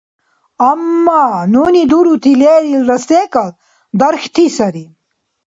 Амма нуни дурути лерилра секӏал дархьти сари.